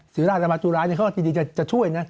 ศิราชนาบาทุรายก็จริงจะช่วยนะ